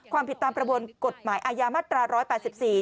ความผิดตามประมวลกฎหมายอาญามาตราร้อยแปดสิบสี่